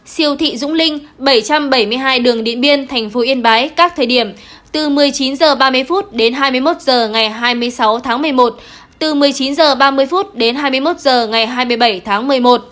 siêu thị dũng linh bảy trăm bảy mươi hai đường điện biên thành phố yên bái các thời điểm từ một mươi chín h ba mươi đến hai mươi một h ngày hai mươi sáu tháng một mươi một từ một mươi chín h ba mươi đến hai mươi một h ngày hai mươi bảy tháng một mươi một